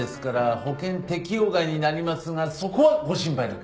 保険適用外になりますがそこはご心配なく。